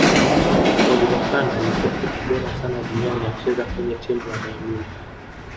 oliver khan alikuwa kipa bora sana duniani akicheza kwenye timu ya bayern munich